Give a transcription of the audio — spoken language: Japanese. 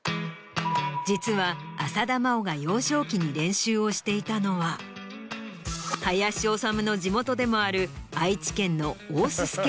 実は浅田真央が幼少期に練習をしていたのは林修の地元でもある。